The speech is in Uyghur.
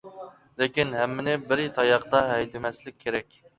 لېكىن ھەممىنى بىر تاياقتا ھەيدىمەسلىك كېرەك.